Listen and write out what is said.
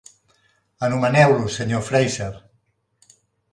Anomeneu-lo Sr. Fraser.